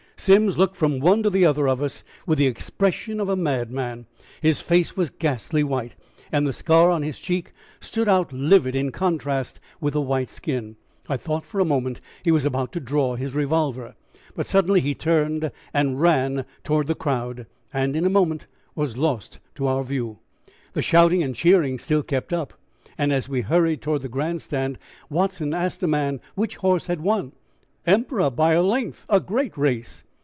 Simms looked from one to the other of us, with the expression of a madman. His face was ghastly white, and the scar on his cheek stood out livid, in contrast with the white skin. I thought for a moment he was about to draw his revolver, but suddenly he turned and ran toward the crowd, and in a moment was lost to our view. The shouting and cheering still kept up, and, as we hurried toward the Grand Stand, Watson asked a man which horse had won. "Emperor, by a length, a great race!"